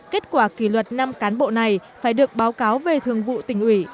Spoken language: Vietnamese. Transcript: kết quả kỷ luật năm cán bộ này phải được báo cáo về thường vụ tỉnh ủy